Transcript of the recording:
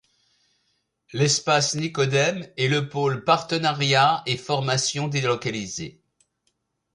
L’Espace Nicodème et le pôle Partenariats et Formations délocalisées.